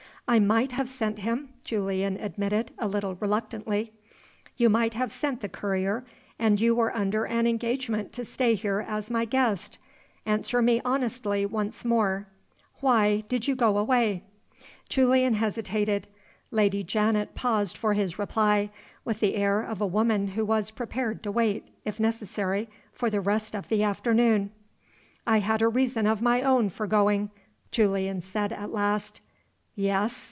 "I might have sent him," Julian admitted, a little reluctantly. "You might have sent the courier and you were under an engagement to stay here as my guest. Answer me honestly once more. Why did you go away?" Julian hesitated. Lady Janet paused for his reply, with the air of a women who was prepared to wait (if necessary) for the rest of the afternoon. "I had a reason of my own for going," Julian said at last. "Yes?"